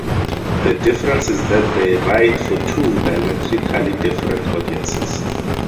The difference is that they write for two diametrically different audiences.